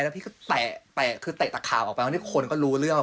แล้วพี่ก็แตะตะขาบออกไปตอนนี้คนก็รู้เรื่อง